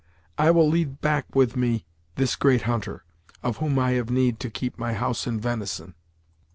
I will lead back with me this great hunter, of whom I have need to keep my house in venison."